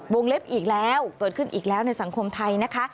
เล็บอีกแล้วเกิดขึ้นอีกแล้วในสังคมไทยนะคะ